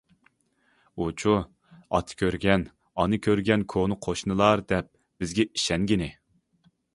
ئۇچۇ، ئاتا كۆرگەن، ئانا كۆرگەن كونا قوشنىلار دەپ بىزگە ئىشەنگىنى.